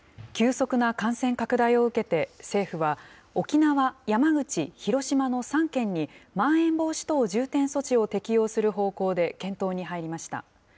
急速な感染拡大を受けて、政府は、沖縄、山口、広島の３県に、まん延防止等重点措置を適用する方向で検討に入りました。